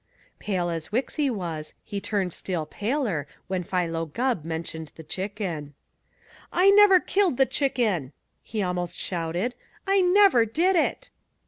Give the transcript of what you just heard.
Pale as Wixy was, he turned still paler when Philo Gubb mentioned the chicken. "I never killed the Chicken!" he almost shouted. "I never did it!"